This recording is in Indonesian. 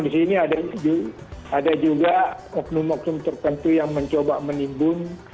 di sini ada juga oknum oknum tertentu yang mencoba menimbun